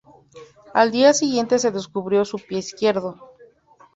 Al día siguiente se descubrió su pie izquierdo.